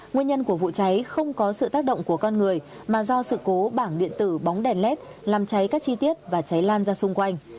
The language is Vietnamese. nguyên nhân của vụ cháy không có sự tác động của con người mà do sự cố bảng điện tử bóng đèn led làm cháy các chi tiết và cháy lan ra xung quanh